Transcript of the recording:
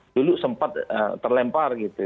dulu sempat terlempar gitu